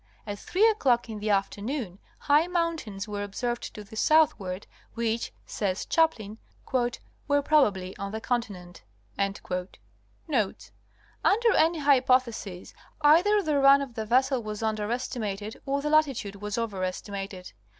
At three o'clock in the afternoon high mountains were observed to the southward. which, says Chaplin, "were probably on the continent." Notes.—Under any hypothesis either the run of the vessel was under estimated or the latitude was overestimated.